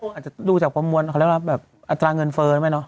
อาจจะดูจากประมวลอัตราเงินเฟิร์นไหมเนอะ